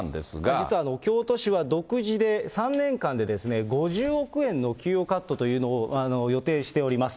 実は京都市は、独自で３年間で５０億円の給与カットというのを予定しております。